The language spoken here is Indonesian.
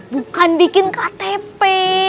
bukan bikin ktp